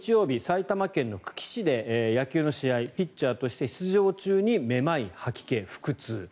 埼玉県の久喜市で野球の試合ピッチャーとして出場中にめまい、吐き気、腹痛。